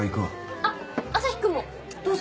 あっ朝陽君もどうぞ。